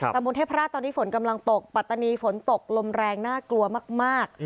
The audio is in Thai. บนเทพราชตอนนี้ฝนกำลังตกปัตตานีฝนตกลมแรงน่ากลัวมาก